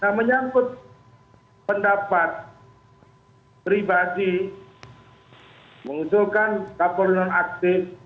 nah menyambut pendapat pribadi mengusulkan kepolisian aktif